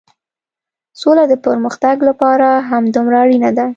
سوله د پرمختګ لپاره همدومره اړينه ده.